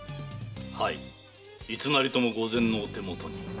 はいいつなりとも御前のお手元に。